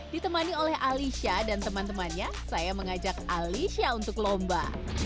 ditemani oleh alicia dan teman temannya saya mengajak alicia untuk lomba